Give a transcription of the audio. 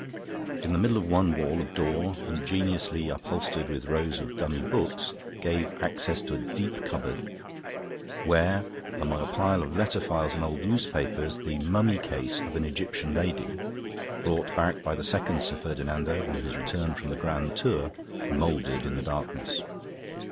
In the middle of one wall a door, ingeniously upholstered with rows of dummy books, gave access to a deep cupboard, where, among a pile of letter files and old newspapers, the mummy case of an Egyptian lady, brought back by the second Sir Ferdinando on his return from the Grand Tour, mouldered in the darkness.